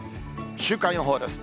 週間予報です。